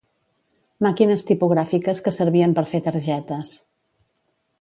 Màquines tipogràfiques que servien per fer targetes.